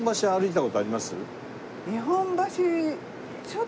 日本橋。